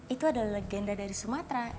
itu adalah legenda dari sumatera